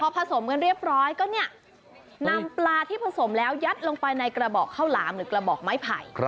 ผสมกันเรียบร้อยก็นำปลาที่ผสมแล้วยัดลงไปในกระบอกข้าวหลามหรือกระบอกไม้ไผ่